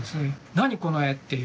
何この絵っていう。